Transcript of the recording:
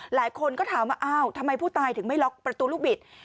หลายคนก็ถามว่าอ้าวทำไมผู้ตายถึงไม่ล็อกประตูลูกบิด